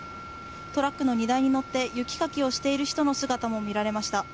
トラックの荷台に乗って雪かきをしている人の姿も見られました。